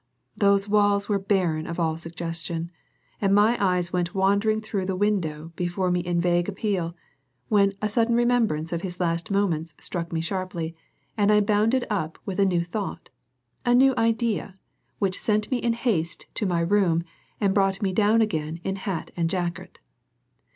those walls were barren of all suggestion, and my eyes went wandering through the window before me in a vague appeal, when a sudden remembrance of his last moments struck me sharply and I bounded up with a new thought, a new idea, which sent me in haste to my room and brought me down again in hat and jacket.